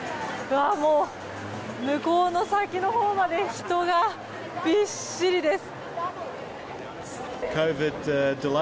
もう、向こうの先のほうまで人がびっしりです。